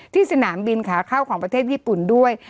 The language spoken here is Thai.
สนามบินขาเข้าของประเทศญี่ปุ่นด้วย